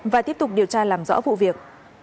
và tiếp tục điều tra làm rõ vụ việc